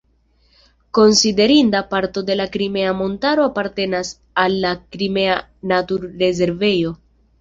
Konsiderinda parto de la Krimea Montaro apartenas al la Krimea naturrezervejo.